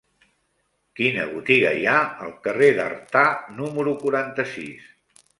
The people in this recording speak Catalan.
Quina botiga hi ha al carrer d'Artà número quaranta-sis?